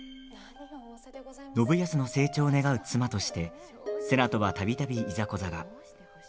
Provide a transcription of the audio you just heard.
信康の成長を願う妻として瀬名とは、たびたびいざこざが。